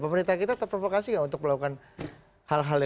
pemerintah kita terprovokasi nggak untuk melakukan hal hal ini